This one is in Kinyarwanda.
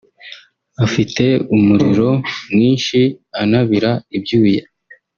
afite umuriro mwinshi anabira ibyuya